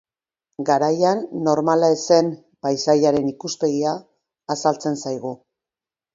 Garaian normala ez zen paisaiaren ikuspegia azaltzen zaigu.